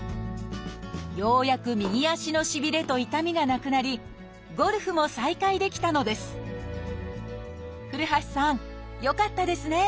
ようやく右足のしびれと痛みがなくなりゴルフも再開できたのです。